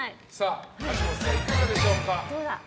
橋本さん、いかがでしょうか？